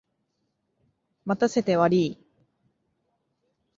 待たせてわりい。